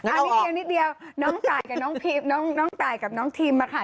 อันนี้เดียวนิดเดียวน้องตายกับน้องทีมมาค่ะ